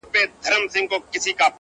چي د هالنډ په شان هيواد کي